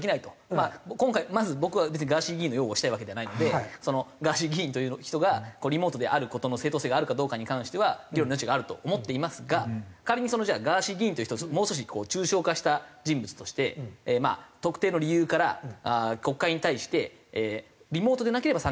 まあ今回まず僕は別にガーシー議員の擁護をしたいわけじゃないのでガーシー議員という人がリモートである事の正当性があるかどうかに関しては議論の余地があると思っていますが仮にガーシー議員という人をもう少し抽象化した人物としてまあ特定の理由から国会に対してリモートでなければ参加できないと。